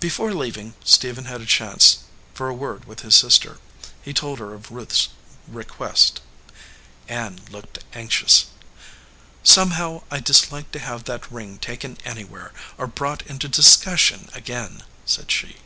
Before leaving, Stephen had a chance for a word with his sister. He told her of Ruth s request. Ann looked anxious. "Somehow I dislike to have that ring taken anywhere, or brought into discussion again," said she.